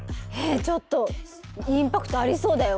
ちょっとインパクトありそうだよ